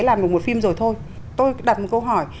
làm được một phim rồi thôi tôi đặt một câu hỏi